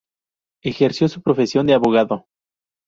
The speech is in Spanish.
Ejerció su profesión de abogado.